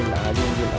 aku harus berusaha